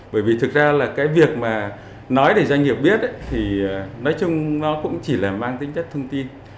bởi vì thực ra là cái việc mà nói để doanh nghiệp biết thì nói chung nó cũng chỉ là mang tính chất thông tin